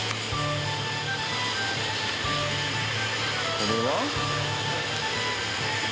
これは？